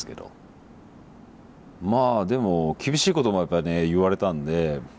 まあでも厳しいこともやっぱりね言われたんで。